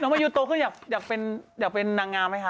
น้องมัยูโต๊ะอยากเป็นนางงามไหมคะ